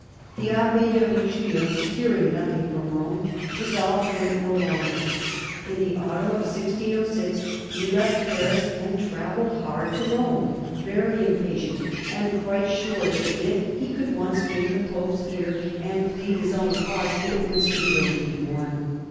The Abbe de Richelieu, hearing nothing from Rome, resolved to wait no longer. In the autumn of 1606 he left Paris and travelled hard to Rome, very impatient, and quite sure that if he could once gain the Pope's ear and plead his own cause, it would speedily be won.